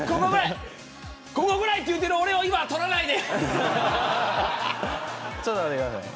ここぐらいって言っている俺を今は撮らないで。